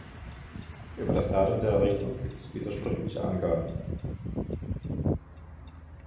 Über das Datum der Errichtung gibt es widersprüchliche Angaben.